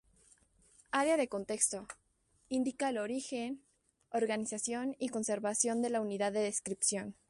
Área de contexto: Indica el origen, organización y conservación de la unidad de descripción.